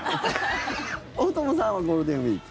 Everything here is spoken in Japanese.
大友さんはゴールデンウィーク。